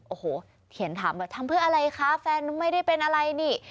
โอ้โหเขียนถามแบบทำเพื่ออะไรคะแฟนไม่ได้เป็นอะไรนี่